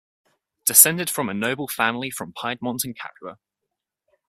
Descended from a noble family from Piedmont and Capua.